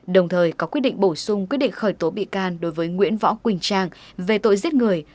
đồng thời có quyết định bổ sung quyết định khởi tố bị can đối với nguyễn võ quỳnh trang về tội giết người